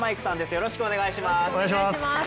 よろしくお願いします。